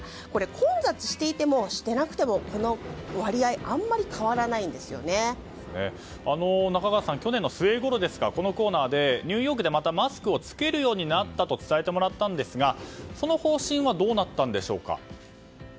混雑していても、していなくてもこの割合は中川さん去年の末ごろ、このコーナーでまたニューヨークでマスクを着けるようになったと伝えてもらったんですがその方針はどうなったんでしょうか。